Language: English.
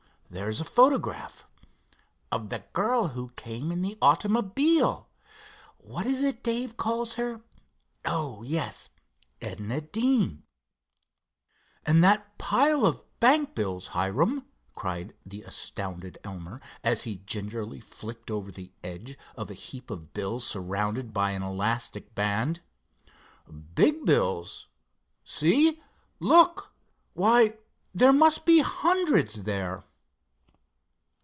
There's a photograph——" "Of the girl who came in the automobile! What is it Dave calls her? Oh, yes—Edna Deane." "And that pile of bank bills, Hiram!" cried the astounded Elmer, as he gingerly flicked over the edge of a heap of bills surrounded by an elastic band. "Big bills! See, look! Why, there must be hundreds there!"